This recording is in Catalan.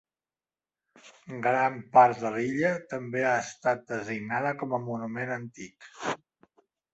Gran part de l'illa també ha estat designada com a monument antic.